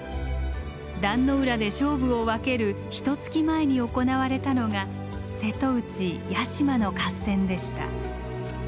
壇ノ浦で勝負を分けるひとつき前に行われたのが瀬戸内屋島の合戦でした。